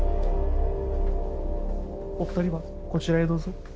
お二人はこちらへどうぞ。